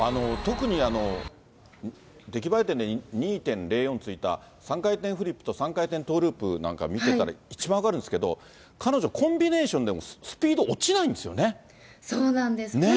特に出来栄え点で２．０４ついた、３回転フリップと３回転トーループなんか見てたら、一番分かるんですけれども、彼女、コンビネーションでもスピード落ちないんでそうなんです。